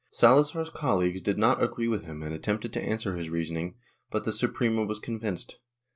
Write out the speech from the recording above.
Salazar's colleagues did not agree with him and attempted to answer his reasoning, but the Suprema was convinced.